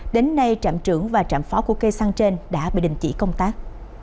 đến nay trạm trưởng và trạm phó của cây xăng trên đã bị đình chỉ công tác